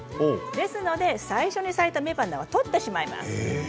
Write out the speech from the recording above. ですので最初に咲いた雌花を取ってしまいます。